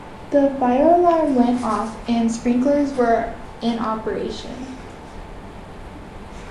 The fire alarm went off and sprinklers were in operation.